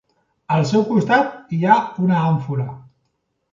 Al seu costat hi ha una àmfora.